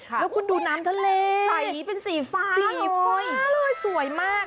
แล้วคุณดูน้ำทะเลใสเป็นสีฟ้าสีฟ้าเลยสวยมาก